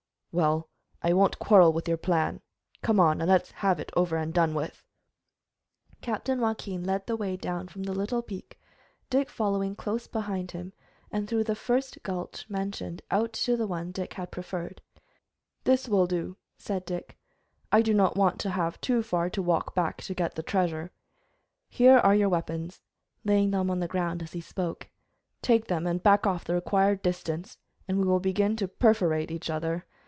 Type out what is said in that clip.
"Well, I won't quarrel with your plan. Come on and let's have it over and done with." Captain Joaquin led the way down from the little peak, Dick following close behind him, and through the first gulch mentioned out to the one Dick had preferred. "This will do," said Dick. "I do not want to have too far to walk back to get the treasure. Here are your weapons," laying them on the ground as he spoke; "take them and back off the required distance, and we will begin to perforate each other.